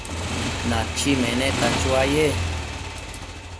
Nachi meneta chuaye